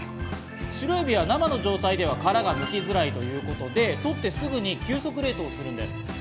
白エビは生の状態では殻が剥きづらいということで取ってすぐに急速冷凍するんです。